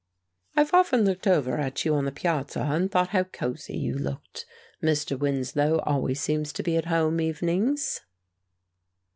"I've often looked over at you on the piazza, and thought how cosey you looked. Mr. Winslow always seems to be at home evenings."